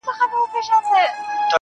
څنگ ته چي زه درغــــلـم